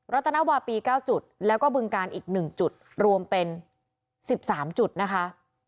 รัฐนวาปี๙จุดแล้วก็บึงกาลอีก๑จุดรวมเป็น๑๓จุดนะคะ